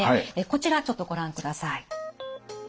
こちらちょっとご覧ください。